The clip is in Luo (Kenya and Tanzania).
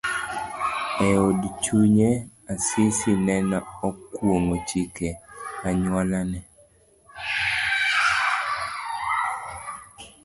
Eod chunye, Asisi nene okwong'o chike anyuolane.